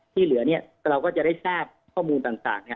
ที่เหลือเราก็จะได้ทราบข้อมูลต่าง